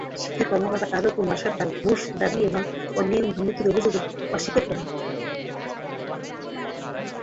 শিক্ষা কর্মকর্তা কাজল কুমার সরকার ঘুষ দাবি এবং অনিয়ম-দুর্নীতির অভিযোগ অস্বীকার করেন।